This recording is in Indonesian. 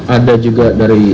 ada juga dari